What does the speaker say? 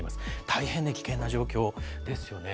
大変危険な状況ですよね。